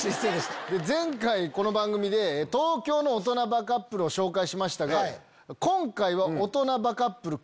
前回この番組で東京の大人バカップルを紹介しましたが今回は。